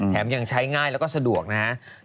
ยังใช้ง่ายแล้วก็สะดวกนะครับ